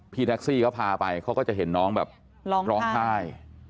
พี่แท็กซี่เขาพาไปเขาก็จะเห็นน้องแบบร้องไห้